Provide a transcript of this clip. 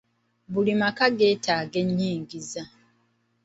Buli maka geetaaga enyingiza.